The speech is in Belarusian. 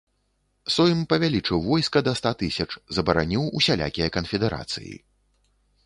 Сойм павялічыў войска да ста тысяч, забараніў усялякія канфедэрацыі.